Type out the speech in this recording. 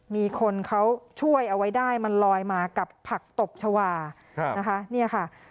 มีคนเขาช่วยเอาไว้ได้มันลอยมากับผักตบชาวานะคะเนี่ยค่ะ